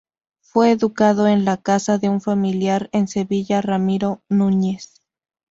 Fue educado en la casa de un familiar en Sevilla, Ramiro Núñez.